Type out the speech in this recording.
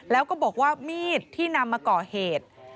แล้วก็บอกว่ามีดที่นำมาก่อเหตุ